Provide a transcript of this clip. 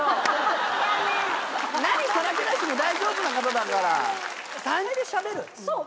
何さらけ出しても大丈夫な方だから。